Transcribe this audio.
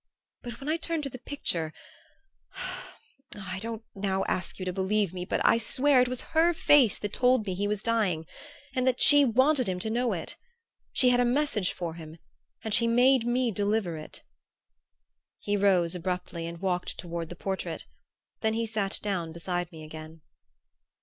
But when I turned to the picture ah, now I don't ask you to believe me; but I swear it was her face that told me he was dying, and that she wanted him to know it! She had a message for him and she made me deliver it." He rose abruptly and walked toward the portrait; then he sat down beside me again.